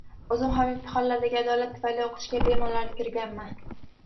O‘zim ham imtihonlardagi adolat tufayli o‘qishga bemalol kirganman.